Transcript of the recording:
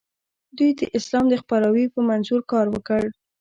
دوی د اسلام د خپراوي په منظور کار وکړ.